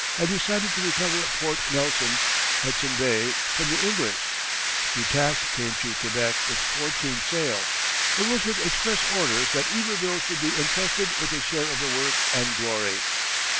had decided to recover Port Nelson, Hudson Bay, from the English, Du Tast came to Quebec with fourteen sail, it was with express orders that Iberville should be entrusted with a share of the work and glory.